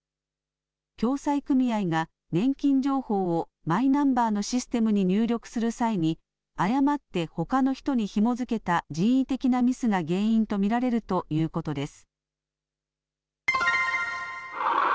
共済組合が、年金情報をマイナンバーのシステムに入力する際に、誤ってほかの人にひも付けた人為的なミスが原因と見られるということです。